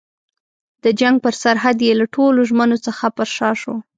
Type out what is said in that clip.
د جنګ پر سرحد یې له ټولو ژمنو څخه پر شا شوه.